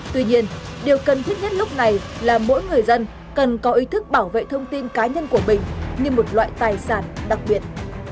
tuy nhiên điều cần thiết nhất lúc này là mỗi người dân cần có ý thức bảo vệ thông tin cá nhân của mình như một loại tài sản đặc biệt